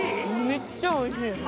めっちゃおいしいです。